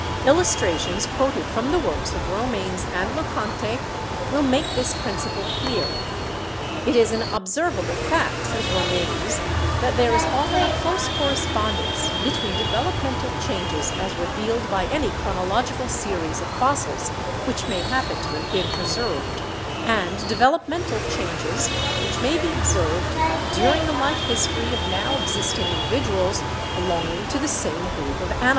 Illustrations quoted from the works of Romanes and Le Conte will make this principle clear. "It is an observ able fact," says Romanes, "that there is often a close cor respondence between developmental changes as revealed by any chronological series of fossils which may happen 148 BIOLOGY to have been preserved, and developmental changes which may be observed during the life history of now existing individuals belonging to the same group of animals.